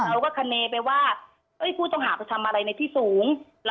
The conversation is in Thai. เราก็คาเนไปว่าผู้ต้องหาไปทำอะไรในที่สูง